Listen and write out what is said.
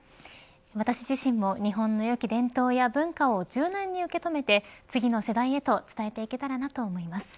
私自身も日本の良き伝統や文化を柔軟に受け止めて次の世代へと伝えていけたらと思います。